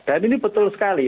dan ini betul sekali